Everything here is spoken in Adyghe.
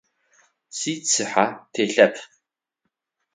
Сицыхьэ телъэп.